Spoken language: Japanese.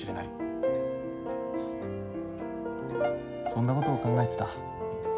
そんなことを考えてた。